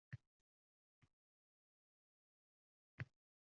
Nonning pishishini kutib turar ekansan novvoy bilan suhbatlashib qolasan